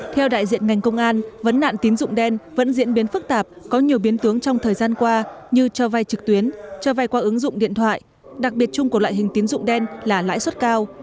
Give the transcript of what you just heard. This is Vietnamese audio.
theo đại diện ngành công an vấn nạn tín dụng đen vẫn diễn biến phức tạp có nhiều biến tướng trong thời gian qua như cho vai trực tuyến cho vay qua ứng dụng điện thoại đặc biệt chung của loại hình tín dụng đen là lãi suất cao